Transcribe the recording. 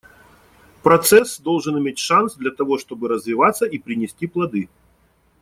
Процесс должен иметь шанс для того, чтобы развиваться и принести плоды.